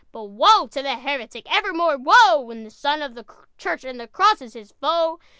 But woe to the heretic, Evermore woe! When the son of the church And the cross is his foe!